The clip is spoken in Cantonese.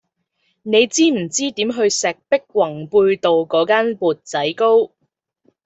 你知唔知點去石壁宏貝道嗰間缽仔糕